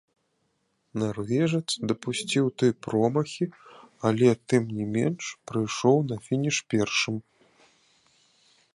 Нарвежац дапусціў тры промахі, але тым не менш прыйшоў на фініш першым.